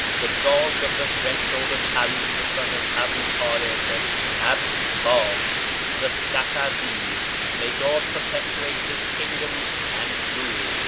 . the dog of the threshold of 'All the son of Abu Talib, ... 'Abbas the Safavi, may God perpetuate his kingdom and rule